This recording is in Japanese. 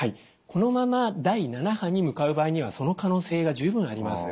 このまま第７波に向かう場合にはその可能性が十分あります。